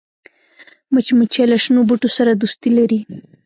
مچمچۍ له شنو بوټو سره دوستي لري